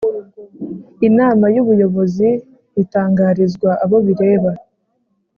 Inama y Ubuyobozi bitangarizwa abo bireba